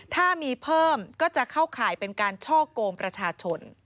ถ้ามีเพิ่มก็จะเข้าข่ายเป็นการช่อกงประชาชน